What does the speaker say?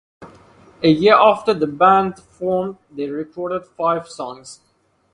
A year after the band formed, they recorded five songs.